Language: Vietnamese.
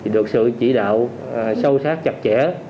được sự chỉ đạo sâu sát chặt chẽ